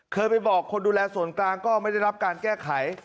เคยไปบอกคนดูแลส่วนกลางก็ไม่ได้รับการแก้ไข